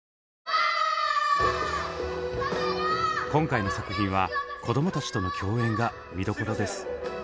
今回の作品はこどもたちとの共演が見どころです。